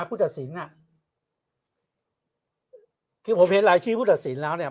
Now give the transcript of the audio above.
ภูตสินอ่ะคือเหมือนเป็นรายชื่อภูตสินแล้วเนี่ย